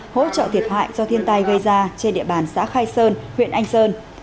hỗ trợ thiệt hại do thiên tai gây ra trên địa bàn xã khai sơn huyện anh sơn